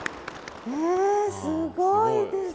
えすごいですね。